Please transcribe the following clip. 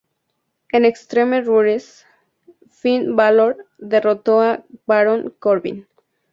En Extreme Rules, Finn Bálor derrotó a Baron Corbin.